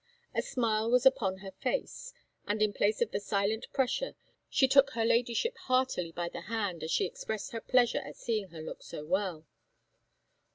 A smile was upon her face; and, in place of the silent pressure, she shook her Ladyship heartily by the hand as she expressed her pleasure at seeing her look so well.